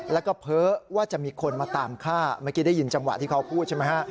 แล้วก็เพ้อว่าจะมีคนมาตามฆ่าเมื่อกี้ได้ยินจังหวะที่เขาพูดใช่ไหมฮะ